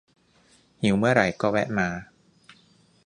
หิวเมื่อไหร่ก็แวะมา